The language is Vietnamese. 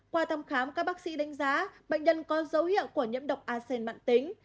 qua thăm khám các bác sĩ đánh giá bệnh nhân có dấu hiệu của nhiễm độc acen mạng tính